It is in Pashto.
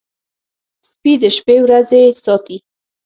سپي د شپې ورځي ساتي.